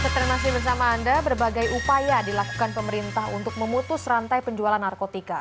terima kasih bersama anda berbagai upaya dilakukan pemerintah untuk memutus rantai penjualan narkotika